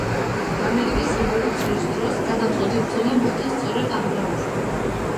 ამერიკის რევოლუციის დროს, გადამწყვეტი ბრძოლა მოხდა სწორედ ამ დაბასთან.